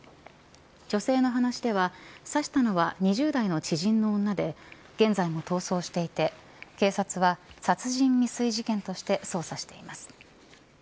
女性の話では刺したのは２０代の知人の女で現在も逃走していて警察は殺人未遂事件として捜査しています。